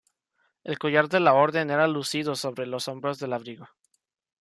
El collar de la Orden era lucido sobre los hombros del abrigo.